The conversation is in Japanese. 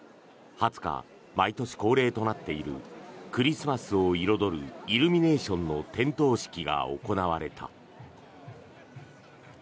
２０日、毎年恒例となっているクリスマスを彩るイルミネーションの点灯式が行われた。